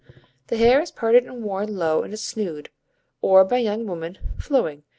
The hair is parted and worn low in a snood, or by young women, flowing.